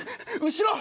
後ろ！